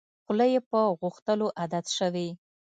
خوله یې په غوښتلو عادت شوې.